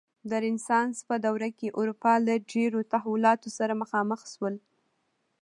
د رنسانس په دوره کې اروپا له ډېرو تحولاتو سره مخامخ شول.